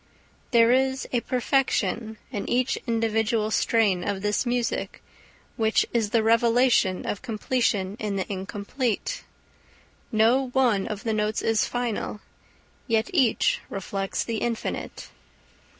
There is a perfection in each individual strain of this music, which is the revelation of completion in the incomplete. No one of its notes is final, yet each reflects the infinite.